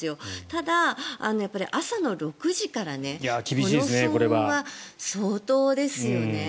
ただ、朝の６時からねこの騒音は相当ですよね。